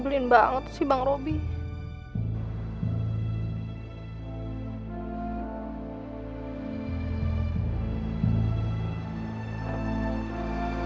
dia jalan sama mbak rere gimana